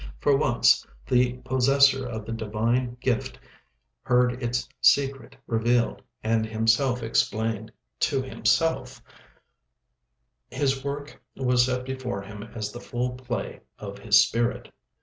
For once, the possessor of the divine gift heard its secret revealed and himself explained to himself; his work was set before him as the full play of his spirit.